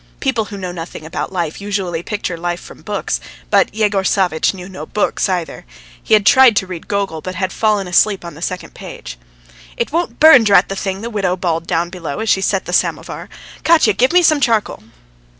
People who know nothing about life usually picture life from books, but Yegor Savvitch knew no books either. He had tried to read Gogol, but had fallen asleep on the second page. "It won't burn, drat the thing!" the widow bawled down below, as she set the samovar. "Katya, give me some charcoal!"